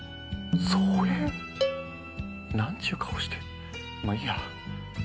なんちゅう顔してまあいいや。